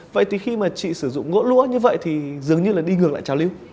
vậy thì khi mà chị sử dụng gỗ lũa như vậy thì dường như là đi ngược lại trào lưu